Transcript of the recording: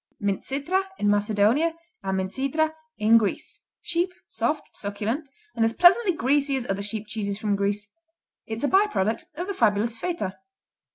Mintzitra in Macedonia; and Mitzithra in Greece Sheep; soft; succulent; and as pleasantly greasy as other sheep cheeses from Greece. It's a by product of the fabulous Feta.